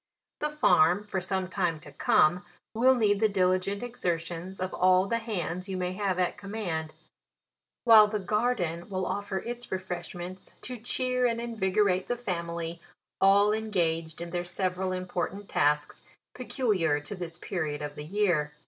The farm, for some time to come, will need the diligent exertions of all the hands you may have at command ; while the garden will offer its refreshments to cheer and invigorate the family, all engaged in their several important tasks, peculiar to this pe riod of the year.